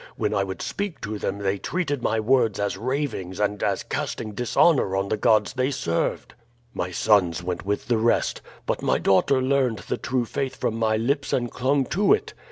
When I would speak to them they treated my words as ravings and as casting dishonor on the gods they served. "My sons went with the rest, but my daughter learned the true faith from my lips and clung to it.